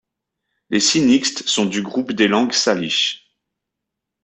Les Sinixt sont du groupe des langues salish.